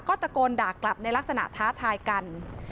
ก็ตะโกนด่ากลับในลักษณะท้าทายกัน